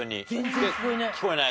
聞こえない？